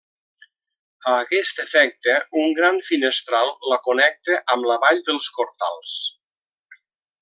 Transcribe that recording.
A aquest efecte, un gran finestral la connecta amb la vall dels Cortals.